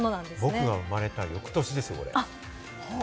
僕が生まれた翌年ですよ。